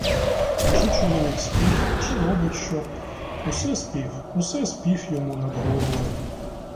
Чи чоловік спить, чи робить що, усе спів, усе спів йому над головою.